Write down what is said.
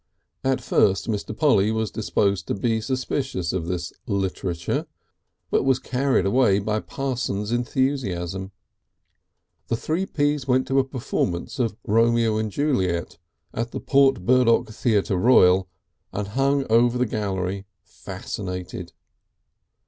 At first Mr. Polly was disposed to be suspicious of this literature, but was carried away by Parsons' enthusiasm. The Three Ps went to a performance of "Romeo and Juliet" at the Port Burdock Theatre Royal, and hung over the gallery fascinated.